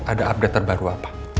ada update terbaru apa